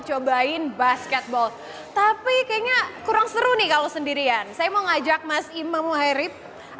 cobain basketball tapi kayaknya kurang seru nih kalau sendirian saya mau ngajak mas imam muhairib